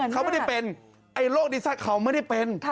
เขาไม่ได้เป็นโรคดิสัตว์เขาไม่ได้เป็น